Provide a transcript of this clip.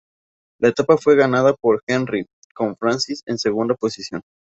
La etapa fue ganada por Henri, con Francis en segunda posición.